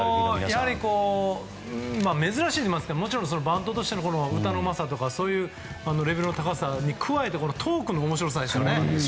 やはり珍しいといいますかもちろんバンドとしての歌のうまさとかレベルの高さに加えてトークの面白さですね。